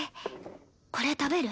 これ食べる？